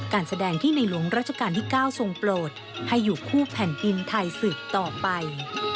การแสดงที่ในหลวงราชการที่๙ทรงโปรดให้อยู่คู่แผ่นดินไทยสืบต่อไป